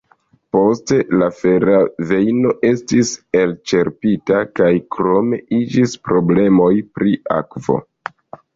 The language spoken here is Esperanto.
Poste la fera vejno estis elĉerpita kaj krome iĝis problemoj pri akvo.